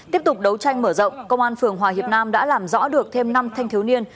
tiếp tục đấu tranh mở rộng công an phường hòa hiệp nam đã làm rõ được thêm năm thanh thiếu niên